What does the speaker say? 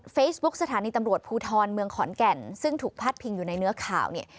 สถานีตำรวจภูทรเมืองขอนแก่นซึ่งถูกพาดพิงอยู่ในเนื้อข่าวเนี่ย